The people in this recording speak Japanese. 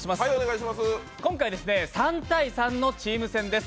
今回、３対３のチーム戦です。